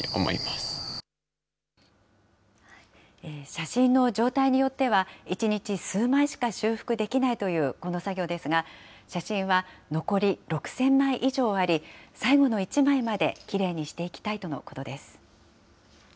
写真の状態によっては、１日数枚しか修復できないというこの作業ですが、写真は残り６０００枚以上あり、最後の一枚まで、きれいにしていきたいとのことです。